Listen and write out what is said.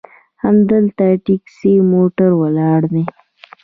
همدلته ټیکسي موټر ولاړ دي.